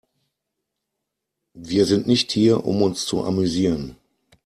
Wir sind nicht hier, um uns zu amüsieren.